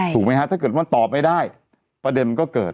ถูกไหมฮะถ้าเกิดว่าตอบไม่ได้ประเด็นก็เกิด